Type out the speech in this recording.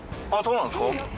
あっそうなんですか